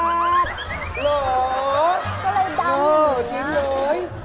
ก็เลยดำอยู่น้างี่ยงล้อยนะเออจริงหนูนะ